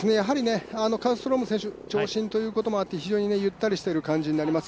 カルストローム選手長身ということもあって非常にゆったりしている感じがあります。